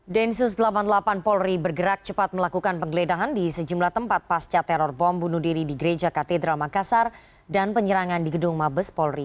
densus delapan puluh delapan polri bergerak cepat melakukan penggeledahan di sejumlah tempat pasca teror bom bunuh diri di gereja katedral makassar dan penyerangan di gedung mabes polri